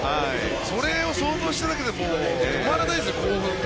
それを想像しただけでもう止まらないですよ、興奮が。